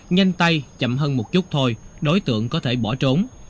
nhanh tay chậm hơn một chút thôi đối tượng có thể bỏ trốn